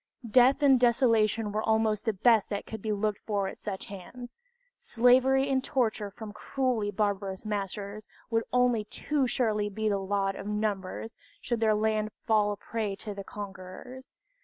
Death and desolation were almost the best that could be looked for at such hands slavery and torture from cruelly barbarous masters would only too surely be the lot of numbers, should their land fall a prey to the conquerors.